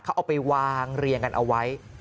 เขาเอาไปวางเรียงกันเอาไว้